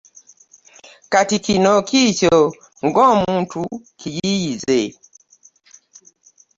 Kati kino kikyo nga omuntu kiyiiyize.